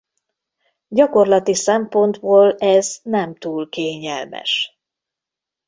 Gyakorlati szempontból ez nem túl kényelmes.